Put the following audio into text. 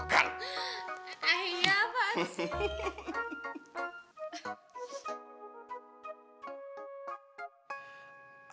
ayah apaan sih